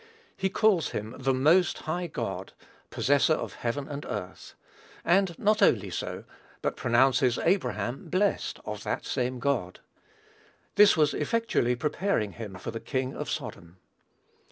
He calls him "the most high God, possessor of heaven and earth;" and not only so, but pronounces Abraham "blessed" of that same God. This was effectually preparing him for the king of Sodom.